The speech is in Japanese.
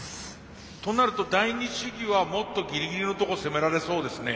となると第二試技はもっとギリギリのところ攻められそうですね。